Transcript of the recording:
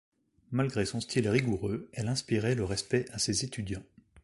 Malgré son style rigoureux, elle inspirait le respect à ses étudiants.